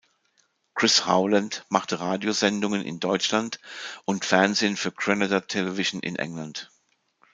Chris Howland machte Radiosendungen in Deutschland und Fernsehen für Granada Television in England.